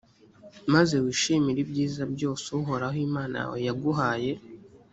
maze wishimire ibyiza byose uhoraho imana yawe yaguhaye